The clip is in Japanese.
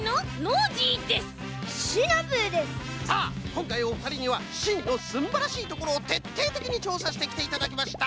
さあこんかいおふたりにはしんのすんばらしいところをてっていてきにちょうさしてきていただきました。